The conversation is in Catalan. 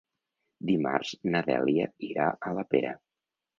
Dimarts na Dèlia irà a la Pera.